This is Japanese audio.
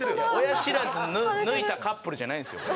親知らず抜いたカップルじゃないんですよ。